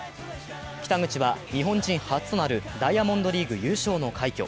北口は日本人初となるダイヤモンドリーグ優勝の快挙。